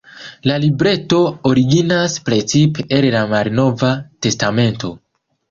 La libreto originas precipe el la Malnova Testamento.